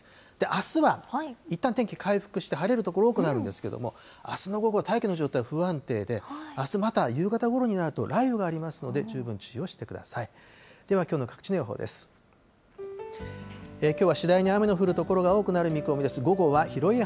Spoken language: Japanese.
あすは、いったん天気回復して晴れる所、多くなるんですけども、あすの午後、大気の状態不安定で、あすまた夕方ごろになると雷雨がありますので、十分注意をしてください。